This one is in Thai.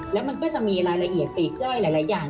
แล้วมันก็จะมีรายละเอียดปลีกย่อยหลายอย่าง